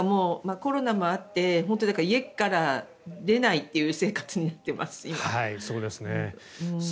コロナもあって本当に家から出ないっていう生活になっています、今。